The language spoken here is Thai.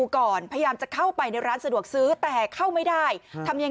ขนมขบเคี้ยวบุรีอีก๘ซอง